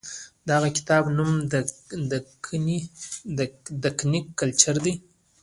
د هغه د کتاب نوم دکني کلچر دی.